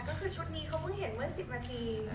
ก็คือชุดนี้เขาเพิ่งเห็นเมื่อ๑๐นาที